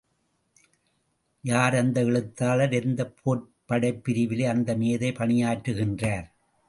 யார் அந்த எழுத்தாளர் எந்தப் போர்ப் படைப் பிரிவிலே அந்த மேதை பணியாற்றுகின்றார்?